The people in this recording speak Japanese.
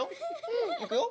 うん。いくよ。